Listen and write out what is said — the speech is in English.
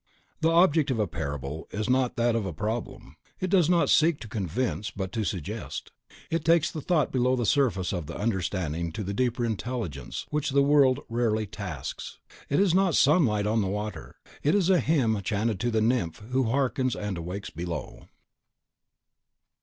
The object of a parable is not that of a problem; it does not seek to convince, but to suggest. It takes the thought below the surface of the understanding to the deeper intelligence which the world rarely tasks. It is not sunlight on the water; it is a hymn chanted to the nymph who hearkens and awakes below.